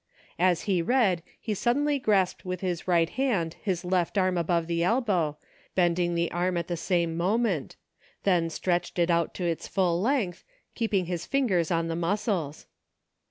As he read he suddenly grasped with his right hand his left arm above the elbow, bend ing the arm at the same moment ; then stretched it to its full length, keeping his fingers on the muscles.